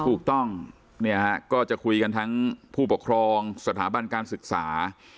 ถูกต้องเนี่ยฮะก็จะคุยกันทั้งผู้ปกครองสถาบันการศึกษา